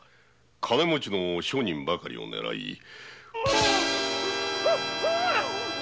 金持ちの商人ばかりを狙い。